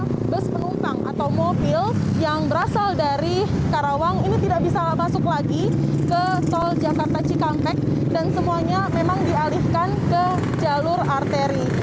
karena bus penumpang atau mobil yang berasal dari karawang ini tidak bisa masuk lagi ke tol jakarta cikampek dan semuanya memang dialihkan ke jalur arteri